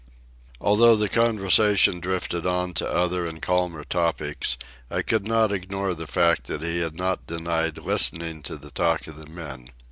Although the conversation drifted on to other and calmer topics, I could not ignore the fact that he had not denied listening to the talk of the men.